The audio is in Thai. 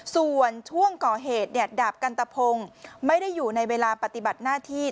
ส่วนช่วงก่อเหตุดาบกันตะพงศ์ไม่ได้อยู่ในเวลาปฏิบัติหน้าที่